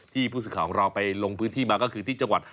ผู้สื่อข่าวของเราไปลงพื้นที่มาก็คือที่จังหวัด